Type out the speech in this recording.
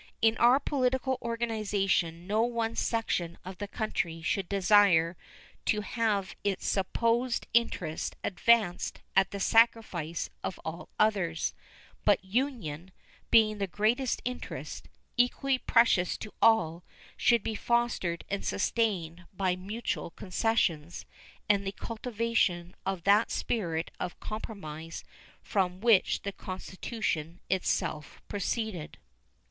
In our political organization no one section of the country should desire to have its supposed interests advanced at the sacrifice of all others, but union, being the great interest, equally precious to all, should be fostered and sustained by mutual concessions and the cultivation of that spirit of compromise from which the Constitution itself proceeded.